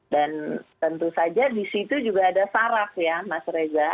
dan tentu saja disitu juga ada saraf ya mas reza